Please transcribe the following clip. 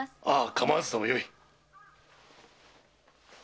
構わずともよい。